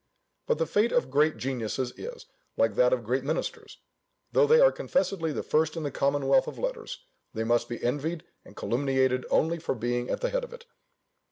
But the fate of great geniuses is like that of great ministers: though they are confessedly the first in the commonwealth of letters, they must be envied and calumniated only for being at the head of it.